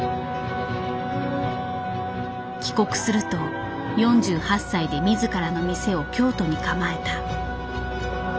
帰国すると４８歳で自らの店を京都に構えた。